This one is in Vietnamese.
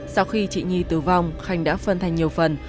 sau khi chị nhi tử vong khanh đã phân thành nhiều phần